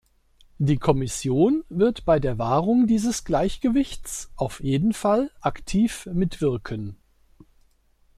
Die Kommission wird bei der Wahrung dieses Gleichgewichts auf jeden Fall aktiv mitwirken.